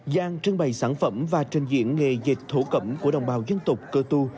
giang trân bày sản phẩm và trình diễn nghề dịch thổ cẩm của đồng bào dân tục cơ tu